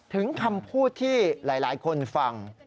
ถึงคำพูดที่หลายคนฟัง